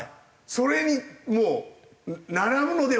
それにもう並ぶのではないかなっていう。